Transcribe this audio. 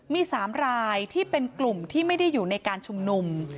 มี๓รายที่เป็นกลุ่มที่ไม่ได้อยู่ในการชุมนุม